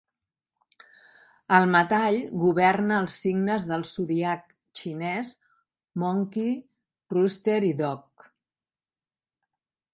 El metall governa els signes del zodíac xinès Monkey, Rooster i Dog.